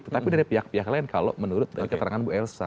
tetapi dari pihak pihak lain kalau menurut dari keterangan bu elsa